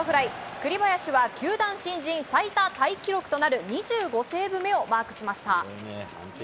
栗林は球団新人最多タイ記録となる２５セーブ目をマークしました。